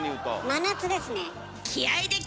真夏ですね。